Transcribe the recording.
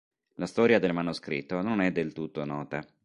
La storia del manoscritto non è del tutto nota.